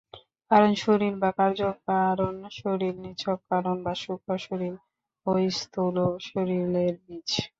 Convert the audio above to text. কারণ শরীর বা কার্যকারণ শরীর নিছক কারণ বা সূক্ষ্ম শরীর ও স্থূল শরীরের বীজ।